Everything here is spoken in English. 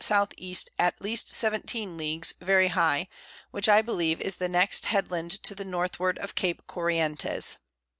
E. at least 17 Leagues, very high, which I believe is the next Headland to the Northward of Cape Corientes.